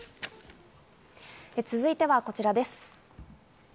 続いてはこちらです。